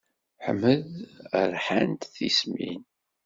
Ḥmed rḥant-t tismin.